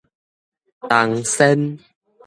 銅鉎